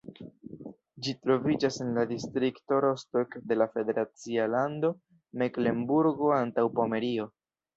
Ĝi troviĝas en la distrikto Rostock de la federacia lando Meklenburgo-Antaŭpomerio.